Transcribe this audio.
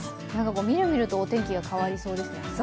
みるみるとお天気が変わりそうですね。